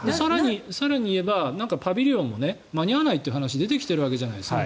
更に言えばパビリオンも間に合わないという話が出てきてるじゃないですか。